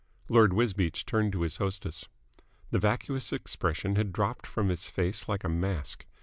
Lord Wisbeach turned to his hostess. The vacuous expression had dropped from his face like a mask.